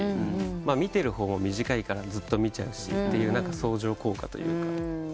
見てる方も短いからずっと見ちゃうという相乗効果というか。